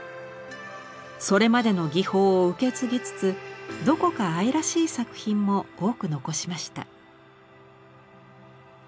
それまでの技法を受け継ぎつつどこか愛らしい作品も多く残しました。